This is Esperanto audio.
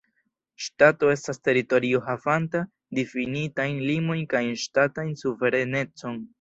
Ŝtato estas teritorio havanta difinitajn limojn kaj ŝtatan suverenecon.